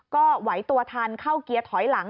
ก็ไหวตัวทันเข้าเกียร์ถอยหลัง